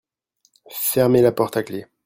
Fermer la porte à clef.